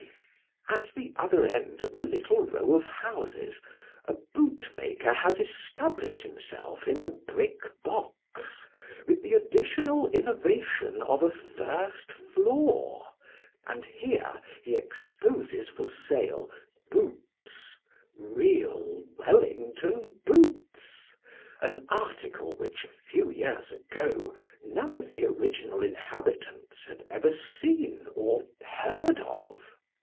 At the other end of the little row of houses a bootmaker has established himself in a brick box, with the additional innovation of a first floor ; and here he exposes for sale, boots real Wellington boots an article which a few years ago, none of the original inhabitants had ever seen or heard of.